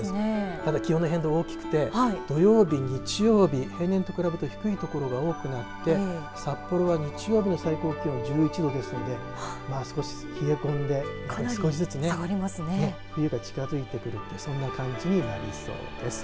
まだ気温の変動大きくて土曜日、日曜日平年と比べて低いところが多くなって札幌は日曜日の最高気温１１度ですので少し冷え込んで少しずつね冬が近づいてくるそんな感じになりそうです。